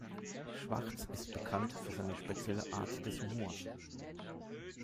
Schwartz ist bekannt für seine spezielle Art des Humors.